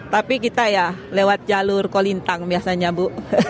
tapi kita ya lewat jalur kolintang biasanya bu